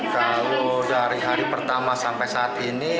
kalau dari hari pertama sampai saat ini